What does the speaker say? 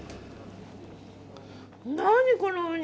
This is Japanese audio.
何このウニ！